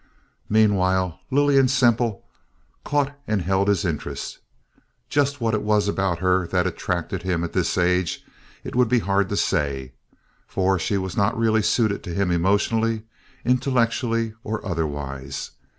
Meanwhile, Lillian Semple caught and held his interest. Just what it was about her that attracted him at this age it would be hard to say, for she was really not suited to him emotionally, intellectually, or otherwise.